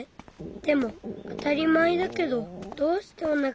でもあたりまえだけどどうしておなかがすくんだろう。